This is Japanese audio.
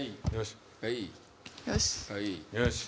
よし。